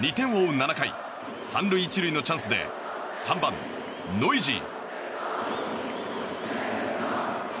７回３塁１塁のチャンスで３番、ノイジー。